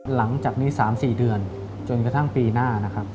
หลังจากนี้๓๔เดือนจนกระทั่งปีหน้านะครับ